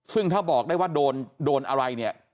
ซึ่งถ้าบอกได้ว่าโดนอะไรเนี่ย